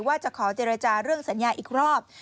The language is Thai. ว่าจะขอเจรจาเรื่องสัญญาอีกรอบ